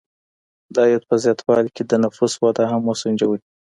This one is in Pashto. د عاید په زیاتوالي کي د نفوس وده هم وسنجوئ.